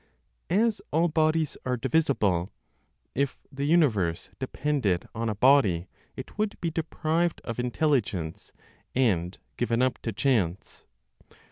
As all bodies are divisible, if the universe depended on a body, it would be deprived of intelligence and given up to chance.